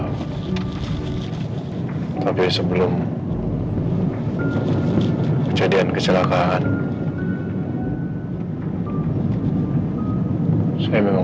yang ada hubungannya dengan percelakaan itu al